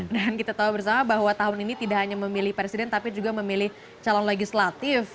dan kita tahu bersama bahwa tahun ini tidak hanya memilih presiden tapi juga memilih calon legislatif